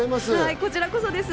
こちらこそです。